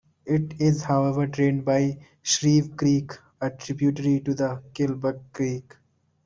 It is, however, drained by Shreve Creek, a tributary to the Killbuck Creek.